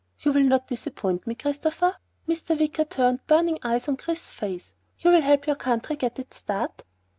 You will not disappoint me, Christopher?" Mr. Wicker turned burning eyes on Chris's face. "You will help your country get its start?"